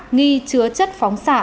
nghi chứa chất phóng xạ